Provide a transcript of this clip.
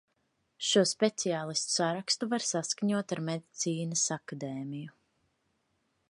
Šo speciālistu sarakstu var saskaņot ar Medicīnas akadēmiju.